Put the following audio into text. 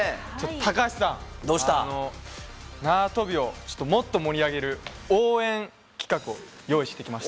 高橋さん、なわとびをもっと盛り上げる応援企画を用意してきました。